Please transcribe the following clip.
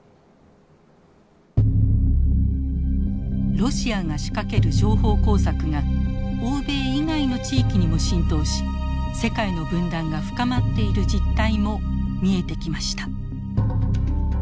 ロシアが仕掛ける情報工作が欧米以外の地域にも浸透し世界の分断が深まっている実態も見えてきました。